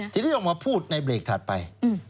ทีนี้ออกมาพูดในเบรกถัดไป